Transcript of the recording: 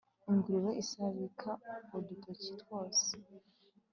Ingurube isabika udutoki twose